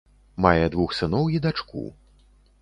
Мае двух сыноў і дачку.